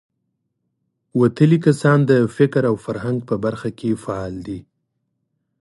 وتلي کسان د فکر او فرهنګ په برخه کې فعال دي.